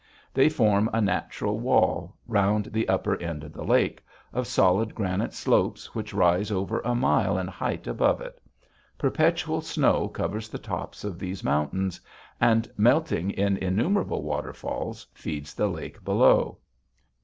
They form a natural wall, round the upper end of the lake, of solid granite slopes which rise over a mile in height above it. Perpetual snow covers the tops of these mountains, and, melting in innumerable waterfalls, feeds the lake below.